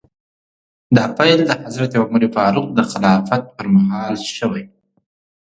دا پیل د حضرت عمر فاروق د خلافت په مهال شوی.